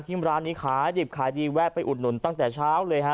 ร้านนี้ขายดิบขายดีแวะไปอุดหนุนตั้งแต่เช้าเลยฮะ